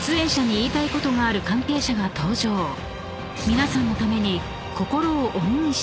［皆さんのために］